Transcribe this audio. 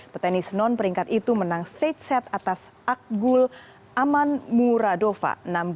petenis non peringkat itu menang straight set atas akgul aman muradova enam dua